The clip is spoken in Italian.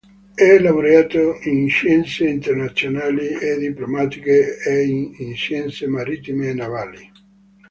È laureato in scienze internazionali e diplomatiche e in scienze marittime e navali.